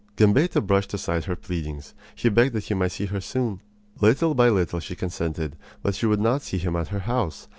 Gambetta brushed aside her pleadings. He begged that he might see her soon. Little by little she consented; but she would not see him at her house.